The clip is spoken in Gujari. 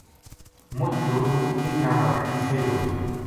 مُچ دُوروں اِنھ نا بکری سہی ہو گئی